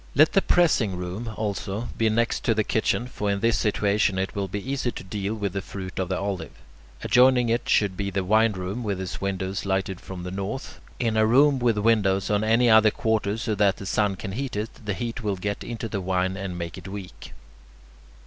Let the pressing room, also, be next to the kitchen; for in this situation it will be easy to deal with the fruit of the olive. Adjoining it should be the wine room with its windows lighted from the north. In a room with windows on any other quarter so that the sun can heat it, the heat will get into the wine and make it weak.